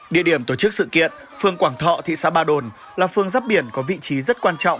địa điểm tổ chức sự kiện phương quảng thọ thị xã ba đồn là phương dắp biển có vị trí rất quan trọng